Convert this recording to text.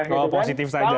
oh positif saja ya